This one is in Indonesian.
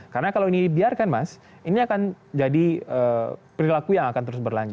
karena kalau ini dibiarkan mas ini akan jadi perilaku yang akan terus berlanjut